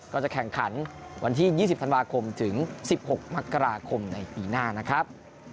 ก็จะแข่งขันวันที่๒๐ธันวาคมถึง๑๖มกราคมในปีหน้านะครับ